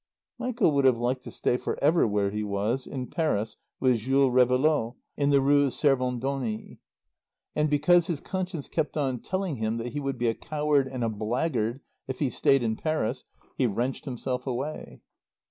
Michael would have liked to stay for ever where he was, in Paris with Jules Réveillaud, in the Rue Servandoni. And because his conscience kept on telling him that he would be a coward and a blackguard if he stayed in Paris, he wrenched himself away.